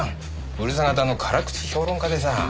うるさ型の辛口評論家でさ。